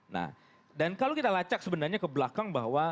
nah dan kalau kita lacak sebenarnya ke belakang bahwa